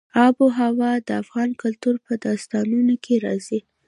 آب وهوا د افغان کلتور په داستانونو کې راځي.